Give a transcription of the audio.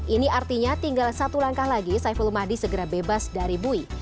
ini artinya tinggal satu langkah lagi saiful umadi segera bebas dari bui